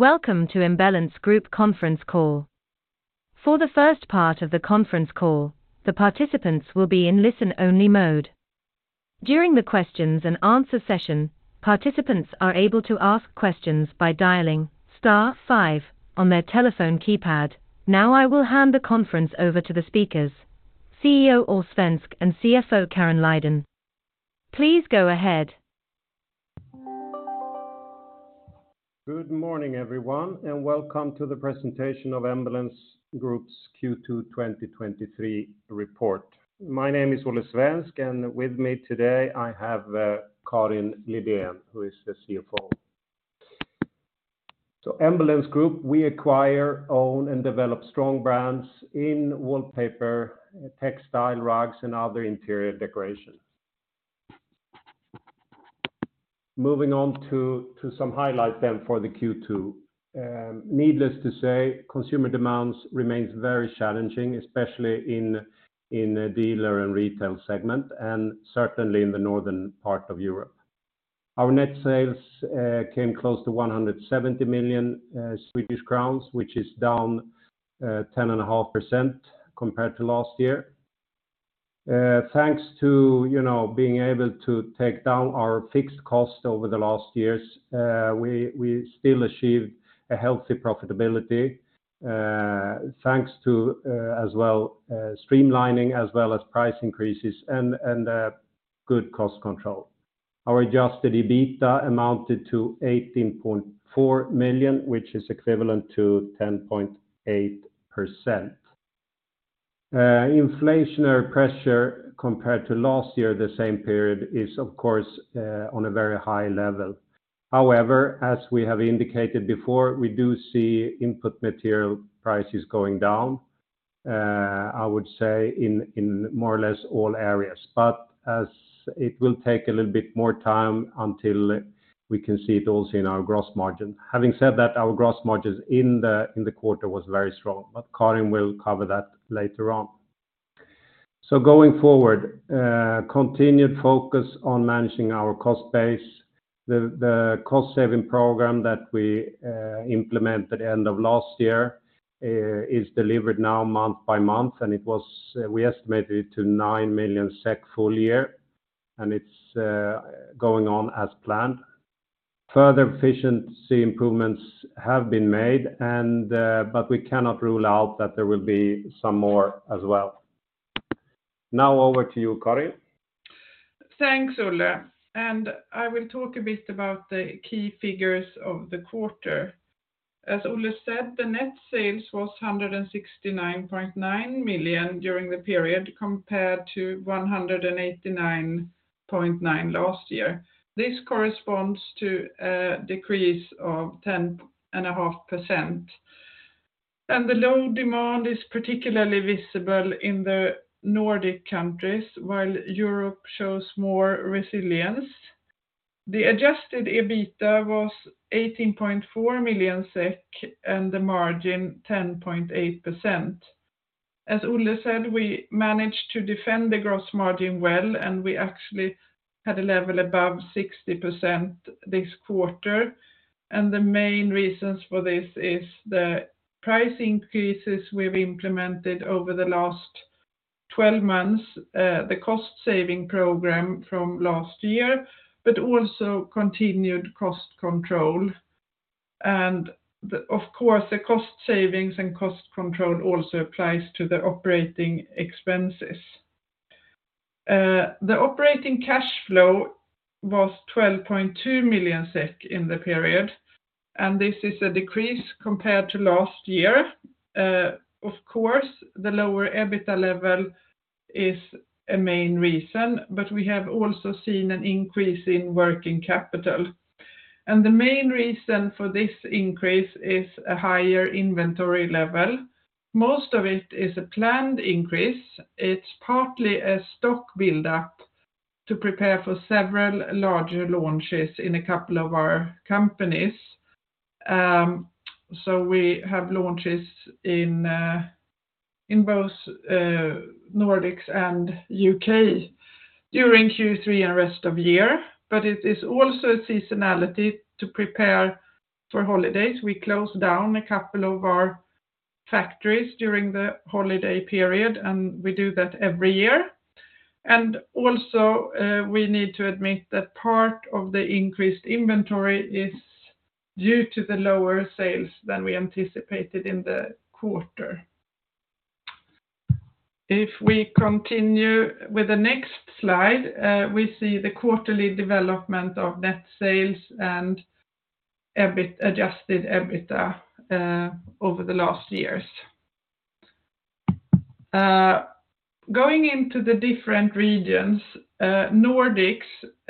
Welcome to Embellence Group conference call. For the first part of the conference call, the participants will be in listen-only mode. During the questions and answer session, participants are able to ask questions by dialing star five on their telephone keypad. Now I will hand the conference over to the speakers, CEO Olle Svensk and CFO Karin Lidén. Please go ahead. Good morning, everyone, and welcome to the presentation of Embellence Group's Q2 2023 report. My name is Olle Svensk, and with me today, I have Karin Lidén, who is the CFO. Embellence Group, we acquire, own, and develop strong brands in wallpaper, textile, rugs, and other interior decorations. Moving on to some highlights for the Q2. Needless to say, consumer demands remains very challenging, especially in the dealer and retail segment, and certainly in the northern part of Europe. Our net sales came close to 170 million Swedish crowns, which is down 10.5% compared to last year. Thanks to, you know, being able to take down our fixed cost over the last years, we still achieved a healthy profitability, thanks to, as well, streamlining as well as price increases and, good cost control. Our Adjusted EBITDA amounted to 18.4 million, which is equivalent to 10.8%. Inflationary pressure compared to last year, the same period, is of course, on a very high level. However, as we have indicated before, we do see input material prices going down, I would say in more or less all areas. As it will take a little bit more time until we can see it also in our gross margin. Having said that, our gross margins in the quarter was very strong, but Karin will cover that later on. Going forward, continued focus on managing our cost base. The cost-saving program that we implemented end of last year is delivered now month by month, and we estimated it to 9 million SEK full year, and it's going on as planned. Further efficiency improvements have been made and, but we cannot rule out that there will be some more as well. Now over to you, Karin. Thanks, Olle. I will talk a bit about the key figures of the quarter. As Olle said, the net sales was 169.9 million during the period, compared to 189.9 million last year. This corresponds to a decrease of 10.5%. The low demand is particularly visible in the Nordic countries, while Europe shows more resilience. The Adjusted EBITDA was 18.4 million SEK, and the margin 10.8%. As Olle said, we managed to defend the gross margin well, we actually had a level above 60% this quarter. The main reasons for this is the price increases we've implemented over the last 12 months, the cost saving program from last year, also continued cost control. Of course, the cost savings and cost control also applies to the operating expenses. The operating cash flow was 12.2 million SEK in the period. This is a decrease compared to last year. Of course, the lower EBITDA level is a main reason. We have also seen an increase in working capital. The main reason for this increase is a higher inventory level. Most of it is a planned increase. It's partly a stock buildup to prepare for several larger launches in a couple of our companies. We have launches in both Nordics and U.K. during Q3 and rest of year, but it is also a seasonality to prepare for holidays. We close down a couple of our factories during the holiday period. We do that every year.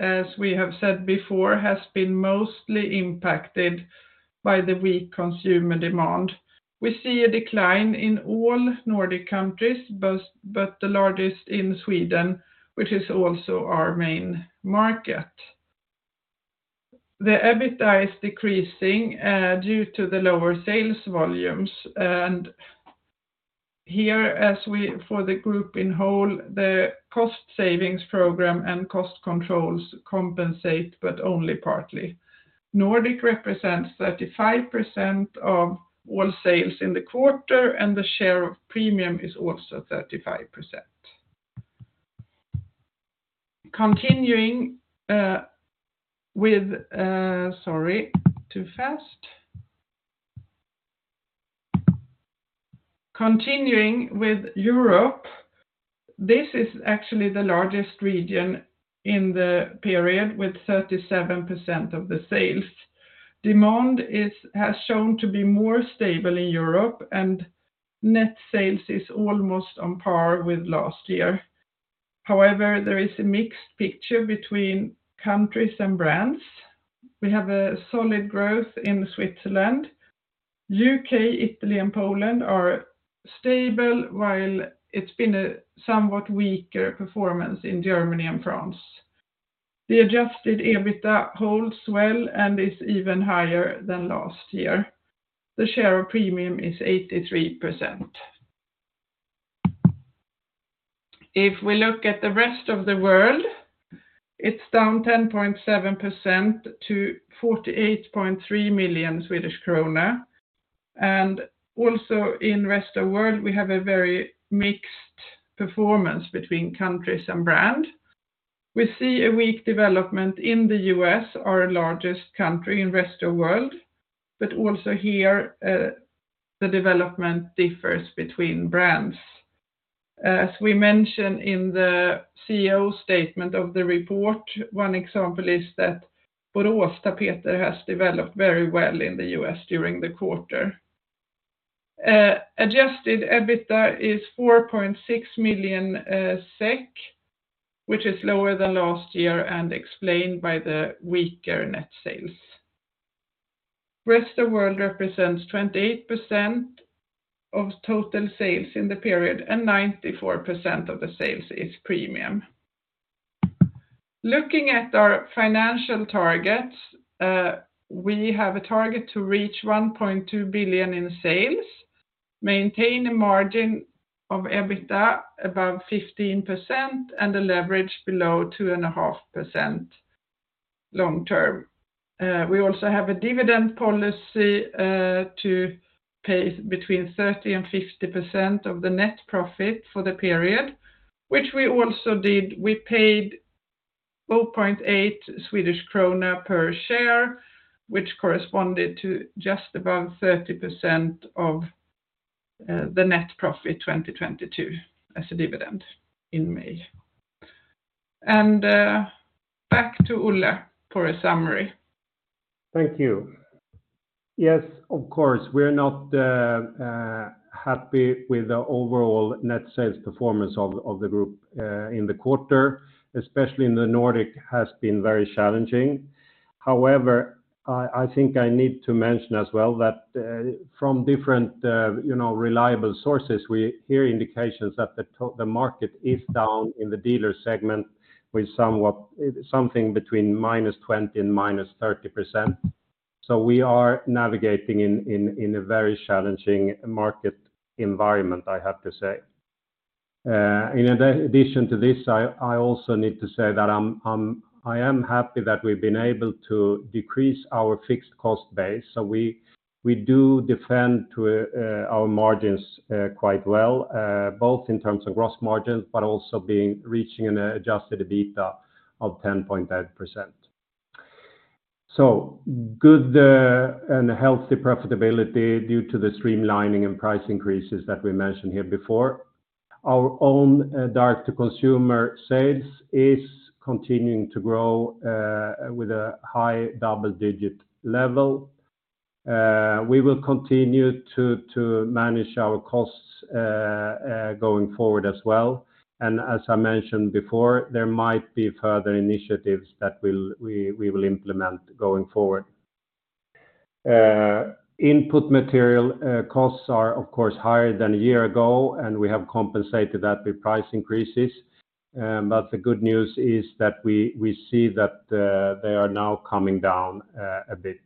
as we have said before, has been mostly impacted by the weak consumer demand. We see a decline in all Nordic countries, but the largest in Sweden, which is also our main market. The EBITDA is decreasing due to the lower sales volumes, and here, as for the group in whole, the cost savings program and cost controls compensate, but only partly. Nordic represents 35% of all sales in the quarter, and the share of premium is also 35%. Continuing with, sorry, too fast Continuing with Europe, this is actually the largest region in the period, with 37% of the sales. Demand has shown to be more stable in Europe. Net sales is almost on par with last year. However, there is a mixed picture between countries and brands. We have a solid growth in Switzerland. U.K., Italy, and Poland are stable, while it's been a somewhat weaker performance in Germany and France. The Adjusted EBITDA holds well and is even higher than last year. The share of premium is 83%. If we look at the Rest of World, it's down 10.7% to 48.3 million Swedish krona. Also in Rest of World, we have a very mixed performance between countries and brand. We see a weak development in the U.S., our largest country in Rest of World. Also here, the development differs between brands. As we mentioned in the CEO statement of the report, one example is that Boråstapeter has developed very well in the U.S. during the quarter. Adjusted EBITDA is 4.6 million SEK, which is lower than last year and explained by the weaker net sales. Rest of World represents 28% of total sales in the period. Ninety-four percent of the sales is premium. Looking at our financial targets, we have a target to reach 1.2 billion in sales, maintain a margin of EBITDA above 15%, and a leverage below 2.5% long term. We also have a dividend policy to pay between 30% and 50% of the net profit for the period, which we also did. We paid 4.8 Swedish krona per share, which corresponded to just about 30% of the net profit 2022 as a dividend in May. Back to Olle for a summary. Thank you. Yes, of course, we're not happy with the overall net sales performance of the group in the quarter, especially in the Nordic, has been very challenging. I think I need to mention as well that from different, you know, reliable sources, we hear indications that the market is down in the dealer segment with somewhat, something between -20% and -30%. We are navigating in a very challenging market environment, I have to say. In addition to this, I also need to say that I am happy that we've been able to decrease our fixed cost base. We do defend our margins quite well, both in terms of Gross Margins, but also being, reaching an Adjusted EBITDA of 10.5%. Good and healthy profitability due to the streamlining and price increases that we mentioned here before. Our own direct-to-consumer sales is continuing to grow with a high double-digit level. We will continue to manage our costs going forward as well. As I mentioned before, there might be further initiatives that we will implement going forward. Input material costs are of course, higher than a year ago, and we have compensated that with price increases. The good news is that we see that they are now coming down a bit.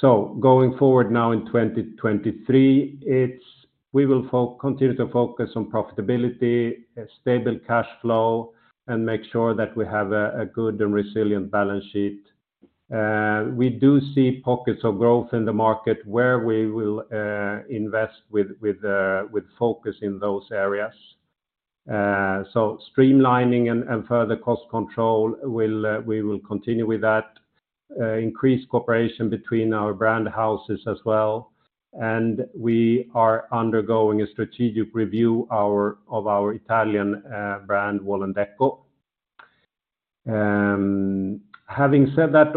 Going forward now in 2023, we will continue to focus on profitability, stable cash flow, and make sure that we have a good and resilient balance sheet. We do see pockets of growth in the market where we will invest with focus in those areas. Streamlining and further cost control, we'll continue with that. Increased cooperation between our brand houses as well. We are undergoing a strategic review of our Italian brand, Wall&decò. Having said that,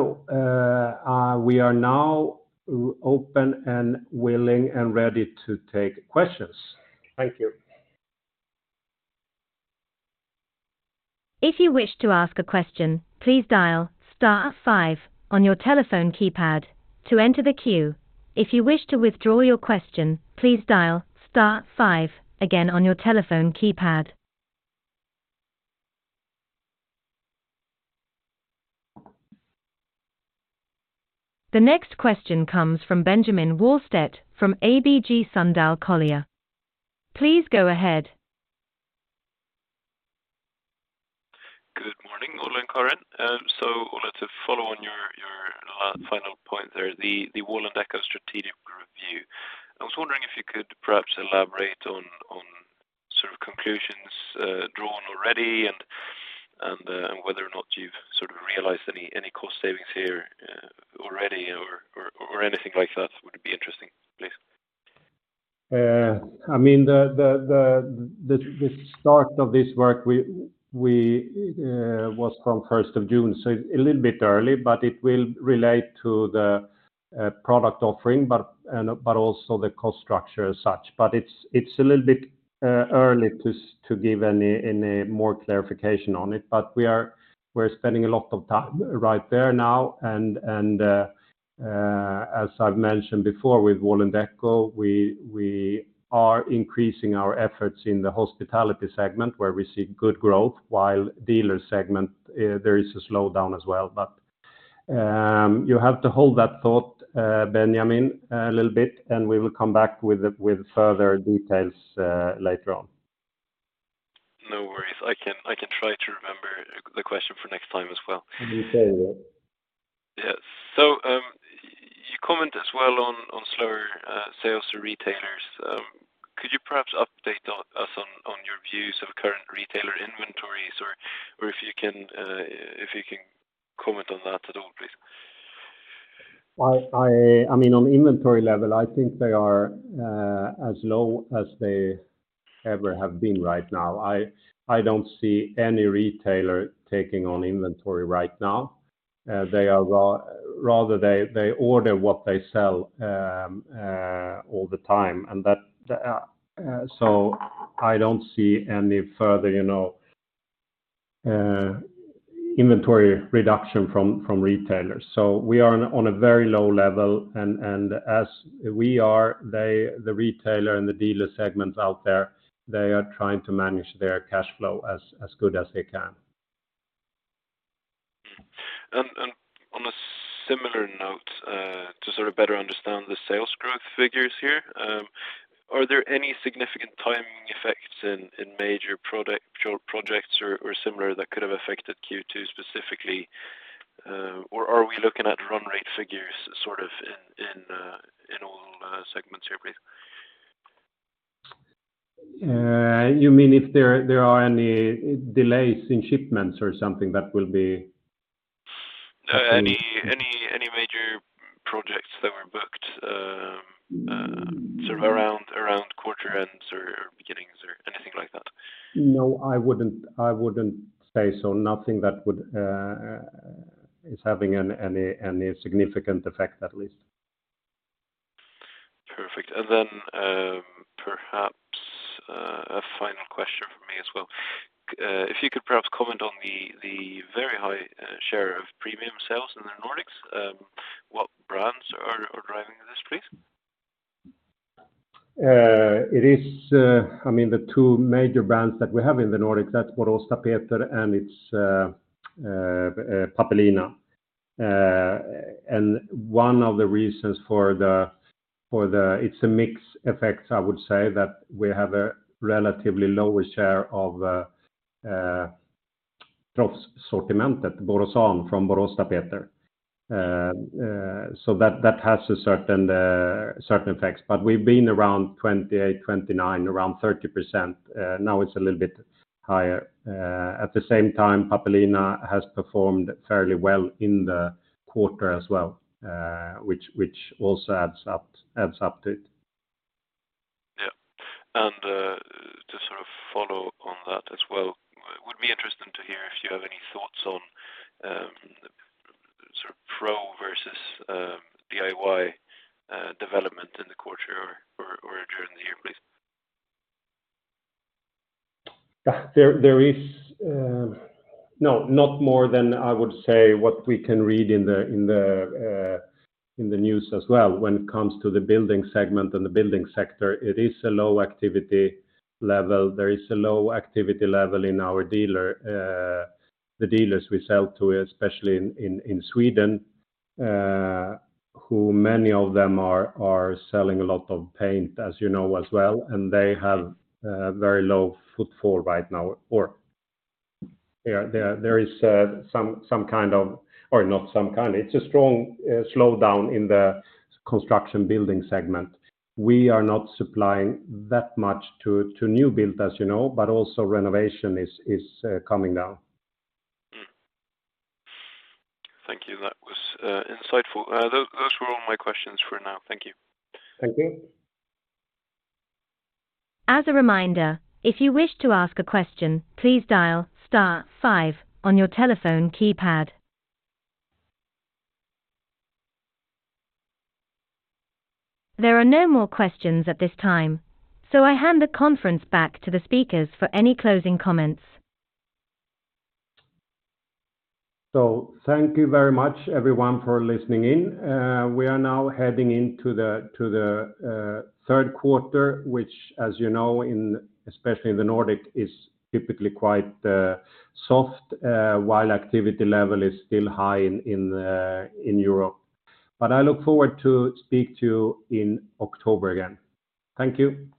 we are now open and willing and ready to take questions. Thank you. If you wish to ask a question, please dial star five on your telephone keypad to enter the queue. If you wish to withdraw your question, please dial star five again on your telephone keypad. The next question comes from Benjamin Wallstedt from ABG Sundal Collier. Please go ahead. Good morning, Olle and Karin Lidén. Olle, to follow on your final point there, the Wall&decò strategic review. I was wondering if you could perhaps elaborate on sort of conclusions drawn already and whether or not you've sort of realized any cost savings here already or anything like that would be interesting, please. I mean, the start of this work, we was from first of June, so a little bit early, but it will relate to the product offering, but also the cost structure as such. It's a little bit early to give any more clarification on it. We're spending a lot of time right there now, and as I've mentioned before, with Wall&decò, we are increasing our efforts in the hospitality segment, where we see good growth, while dealer segment, there is a slowdown as well. You have to hold that thought, Benjamin Wallstedt, a little bit, and we will come back with it, with further details later on. No worries. I can try to remember the question for next time as well. You said that. Yes. You comment as well on slower sales to retailers. Could you perhaps update us on your views of current retailer inventories or if you can comment on that at all, please? I mean, on inventory level, I think they are as low as they ever have been right now. I don't see any retailer taking on inventory right now. They are rather, they order what they sell all the time, and that, so I don't see any further, you know, inventory reduction from retailers. We are on a very low level, and as we are, the retailer and the dealer segments out there, they are trying to manage their cash flow as good as they can. On a similar note, to sort of better understand the sales growth figures here, are there any significant timing effects in major projects or similar that could have affected Q2 specifically? Or are we looking at run rate figures sort of in all segments here, please? you mean if there are any delays in shipments or something? Any major projects that were booked, sort of around quarter ends or beginnings or anything like that? No, I wouldn't say so. Nothing that would is having an any significant effect, at least. Perfect. Perhaps, a final question for me as well. If you could perhaps comment on the very high share of premium sales in the Nordics, what brands are driving this, please? I mean, the two major brands that we have in the Nordics, that's Boråstapeter, and it's Pappelina. One of the reasons, it's a mix effect, I would say, that we have a relatively lower share of prof sortiment at Borås from Boråstapeter. That has certain effects, but we've been around 28, 29, around 30%. Now it's a little bit higher. At the same time, Pappelina has performed fairly well in the quarter as well, which also adds up to it. Yeah. To sort of follow on that as well, would be interesting to hear if you have any thoughts on, sort of pro versus DIY development in the quarter or during the year, please? Yeah. There is no, not more than I would say what we can read in the news as well. When it comes to the building segment and the building sector, it is a low activity level. There is a low activity level in our dealer, the dealers we sell to, especially in Sweden, who many of them are selling a lot of paint, as you know as well, and they have a very low footfall right now, or there is some kind of, it's a strong slowdown in the construction building segment. We are not supplying that much to new build, as you know, but also renovation is coming down. Thank you. That was insightful. Those were all my questions for now. Thank you. Thank you. As a reminder, if you wish to ask a question, please dial star five on your telephone keypad. There are no more questions at this time, I hand the conference back to the speakers for any closing comments. Thank you very much, everyone, for listening in. We are now heading into the third quarter, which, as you know, especially in the Nordic, is typically quite soft, while activity level is still high in Europe. I look forward to speak to you in October again. Thank you.